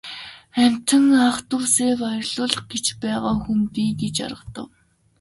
Амьтан ах дүүсээ баярлуулах гэж байгаа хүн би гэж аргадав.